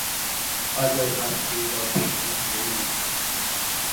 Others are stewed or baked in gravy.